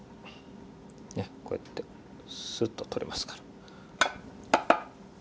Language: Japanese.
こうやってスッと取れますから。